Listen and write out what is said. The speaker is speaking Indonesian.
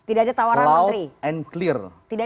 tidak ada tawaran menteri